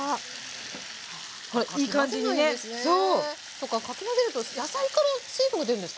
そっかかき混ぜると野菜から水分が出るんですか？